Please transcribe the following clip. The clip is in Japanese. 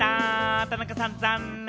田中さん、残念。